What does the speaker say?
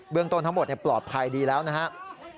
เรื่องต้นทั้งหมดปลอดภัยดีแล้วนะครับ